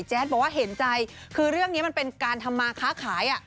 บอกว่าเห็นใจคือเรื่องนี้มันเป็นการทำมาค้าขาย